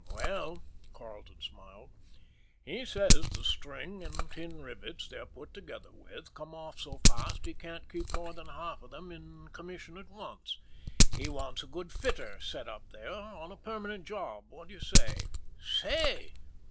"Well," Carleton smiled, "he says the string and tin rivets they're put together with come off so fast he can't keep more than half of them in commission at once. He wants a good fitter sent up there on a permanent job. What do you say?" "Say?"